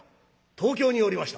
「東京におりました」。